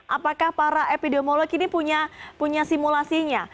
apakah para epidemiolog ini punya simulasinya